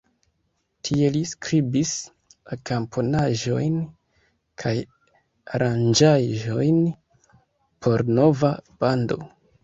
Tie, li skribis la komponaĵojn kaj aranĝaĵojn por nova bando.